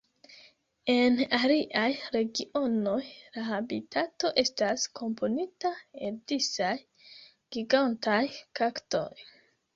En aliaj regionoj la habitato estas komponita el disaj gigantaj kaktoj.